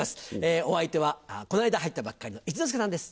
お相手はこの間入ったばっかりの一之輔さんです。